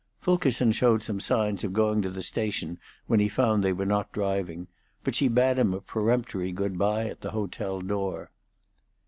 Fulkerson showed some signs of going to the station when he found they were not driving, but she bade him a peremptory good bye at the hotel door.